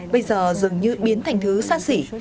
bây giờ dường như biến thành thứ xa xỉ